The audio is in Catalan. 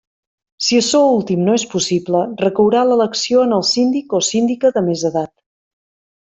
Si açò últim no és possible, recaurà l'elecció en el síndic o síndica de més edat.